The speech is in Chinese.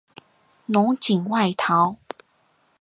侬锦外逃。